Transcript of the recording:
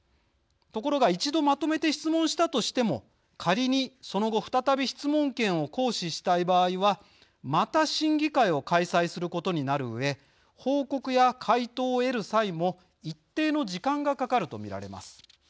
ところが一度まとめて質問したとしても仮にその後、再び質問権を行使したい場合はまた審議会を開催することになるうえ報告や回答を得る際も一定の時間がかかると見られます。